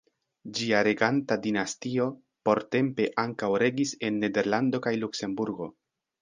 Ĝia reganta dinastio portempe ankaŭ regis en Nederlando kaj Luksemburgo.